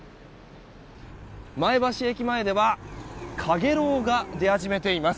前橋駅前ではかげろうが出始めています。